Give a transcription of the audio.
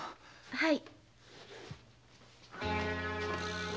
はい。